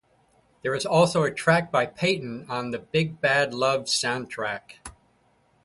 There is also a track by Payton on the "Big Bad Love" soundtrack.